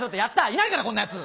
いないからこんなやつ。